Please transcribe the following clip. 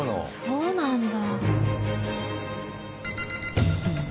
そうなんだ。